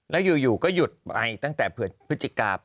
แล้วอยู่ก็หยุดไปตั้งแต่เผื่อภาพฤจิกา